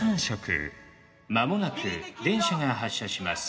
間もなく電車が発車します。